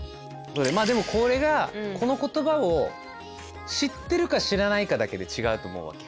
まあでもこれがこの言葉を知ってるか知らないかだけで違うと思うわけ。